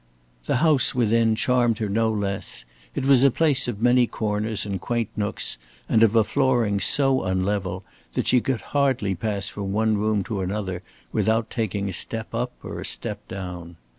The house within charmed her no less. It was a place of many corners and quaint nooks, and of a flooring so unlevel that she could hardly pass from one room to another without taking a step up or a step down.